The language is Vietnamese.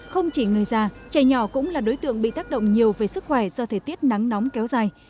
không chỉ người già trẻ nhỏ cũng là đối tượng bị tác động nhiều về sức khỏe do thời tiết nắng nóng kéo dài